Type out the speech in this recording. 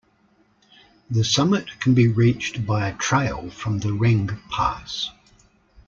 The summit can be reached by a trail from the Renggpass.